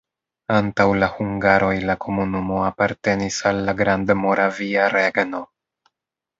Antaŭ la hungaroj la komunumo apartenis al la Grandmoravia Regno.